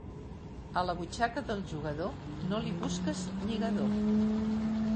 A la butxaca del jugador no li busques lligador.